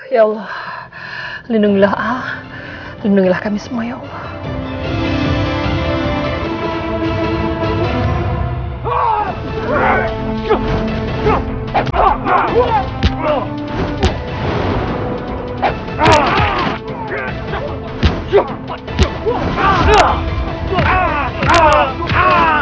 ya allah lindungilah kami semua ya allah